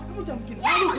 kamu jangan bikin hal itu go